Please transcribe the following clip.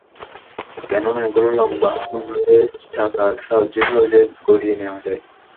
কেননা এগুলোর লম্বা হাতল ধরে চাকার সাহায্যে সহজেই গড়িয়ে নেওয়া যায়।